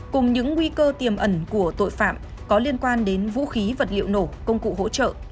cùng những nguy cơ tiềm ẩn của tội phạm có liên quan đến vũ khí vật liệu nổ công cụ hỗ trợ